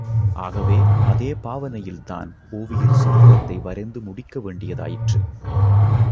ஆகவே, அதே பாவனையில்தான் ஓவியர் சித்திரத்தை வரைந்து முடிக்க வேண்டியதாயிற்று.